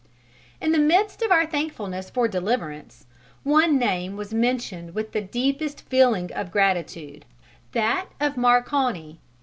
In the midst of our thankfulness for deliverance, one name was mentioned with the deepest feeling of gratitude: that of Marconi.